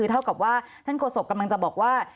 เท่ากับว่าท่านโฆษกกำลังจะบอกว่า